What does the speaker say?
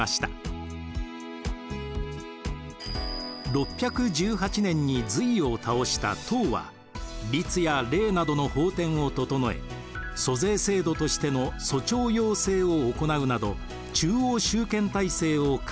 ６１８年に隋を倒した唐は「律」や「令」などの法典を整え租税制度としての租調庸制を行うなど中央集権体制を確立。